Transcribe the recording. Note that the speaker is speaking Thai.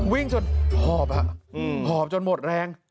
วิ่งจนหอบหอบจนหมดแรง